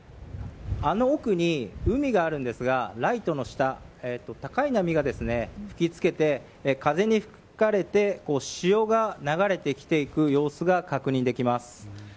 あの奥に海があるんですが、ライトの下高い波が吹きつけて風に吹かれて潮が流れていく様子が確認できます。